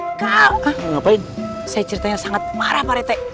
hai kau ngapain saya ceritanya sangat marah pak rete